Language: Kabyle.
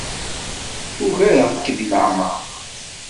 Ugareɣ-k deg leɛmeṛ.